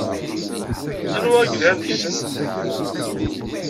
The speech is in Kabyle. Anwa ay yelhan deg-sen?